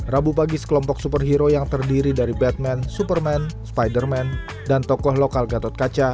rabu pagi sekelompok superhero yang terdiri dari batman superman spiderman dan tokoh lokal gatot kaca